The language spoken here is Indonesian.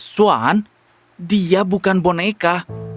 swan dia bukan boneka